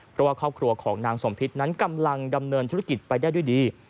เพราะว่าครอบครัวของนางสมพิษนั้นกำลังดำเนินธุรกิจไปได้ด้วยดี